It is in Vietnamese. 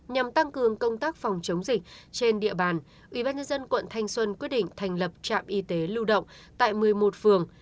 nhằm tăng cường công tác phòng chống dịch trên địa bàn ubnd quận thanh xuân quyết định thành lập trạm y tế lưu động tại một mươi một phường